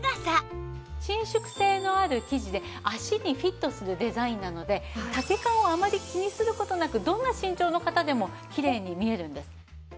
伸縮性のある生地で脚にフィットするデザインなので丈感をあまり気にする事なくどんな身長の方でもきれいに見えるんです。